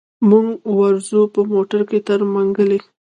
موږ ورځو په موټر کي تر منګلي.